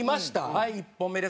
はい１本目ですね。